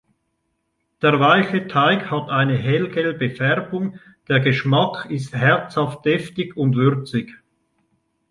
Der weiche Teig hat eine hellgelbe Färbung, der Geschmack ist herzhaft-deftig und würzig.